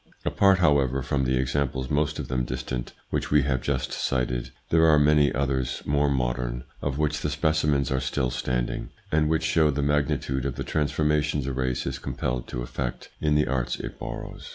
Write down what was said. Apart, however, from the examples, most of them distant, which we have just cited, there are many others more modern, of which the specimens are still standing, and which show the magnitude of the trans formations a race is compelled to effect in the arts it borrows.